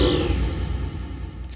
saat matahari terbit sang raja datang